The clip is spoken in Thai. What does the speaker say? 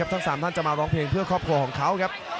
ทั้ง๓ท่านจะมาร้องเพลงเพื่อครอบครัวของเขาครับ